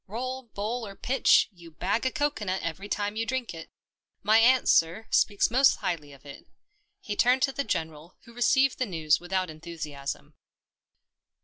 " Roll, bowl, or pitch, you bag a coco nut every time you drink it. My aunt, sir, speaks most highly of it." He turned to the General, who received the news without enthusiasm.